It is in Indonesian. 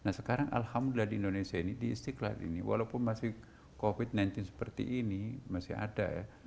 nah sekarang alhamdulillah di indonesia ini di istiqlal ini walaupun masih covid sembilan belas seperti ini masih ada ya